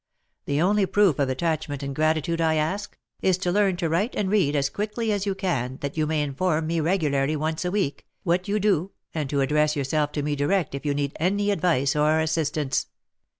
The only proof of attachment and gratitude I ask, is to learn to write and read as quickly as you can, that you may inform me regularly, once a week, what you do, and to address yourself to me direct if you need any advice or assistance."